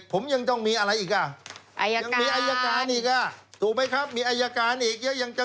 ผมยังต้องมีอะไรอีกอ่ะยังมีอายการอีกอ่ะถูกไหมครับมีอายการอีกเยอะยังจะ